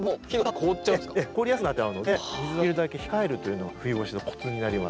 凍りやすくなっちゃうので水はできるだけ控えるというのが冬越しのコツになります。